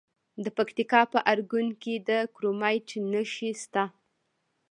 د پکتیکا په ارګون کې د کرومایټ نښې شته.